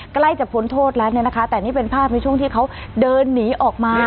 ใกล้จะพ้นโทษแล้วเนี่ยนะคะแต่นี่เป็นภาพในช่วงที่เขาเดินหนีออกมา